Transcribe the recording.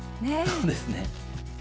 そうですね。